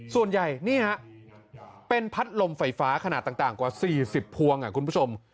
ส่วนใหญ่นี่ฮะเป็นพัดลมไฟฟ้าขนาดต่างกว่า๔๐พวงคุณผู้ชม